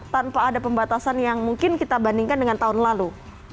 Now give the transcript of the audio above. tanpa ada pembatasan yang mungkin kita bandingkan dengan tahun lalu